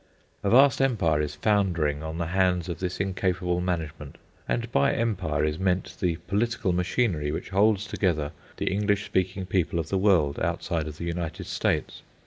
A vast empire is foundering on the hands of this incapable management. And by empire is meant the political machinery which holds together the English speaking people of the world outside of the United States.